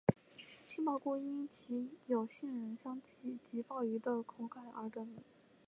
杏鲍菇因其有杏仁香气及鲍鱼口感而得名。